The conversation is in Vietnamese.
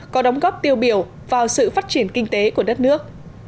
có đóng góp tiêu biểu vào sự phát triển kinh tế của đất nước